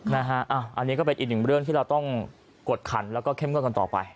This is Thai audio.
อันนี้ก็เป็นอีกหนึ่งเรื่องที่เราต้องกดขันแล้วก็เข้มงวดกันต่อไป